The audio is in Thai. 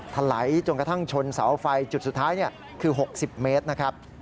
ถลายจนกระทั่งชนเสาไฟจุดสุดท้ายคือ๖๐เมตรนะครับ